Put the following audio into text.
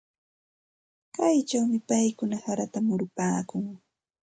Kaychawmi paykuna harata murupaakun.